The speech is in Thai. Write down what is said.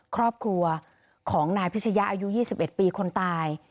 ครอบครัวของนายพิชยะอายุ๒๑ปีคนตาย